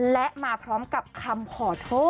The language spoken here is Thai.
และมาพร้อมกับคำขอโทษ